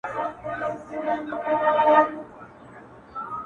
د طوطي له خولې خبري نه وتلې!.